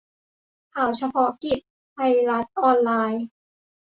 ข่าวเฉพาะกิจ ไทยรัฐออนไลน์